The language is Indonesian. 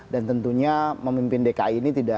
dan tentunya memimpin dki ini